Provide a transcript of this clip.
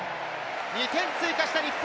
２点追加した日本。